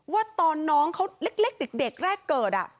ว่าตอนน้องเขาเล็กเด็กแรกเกิด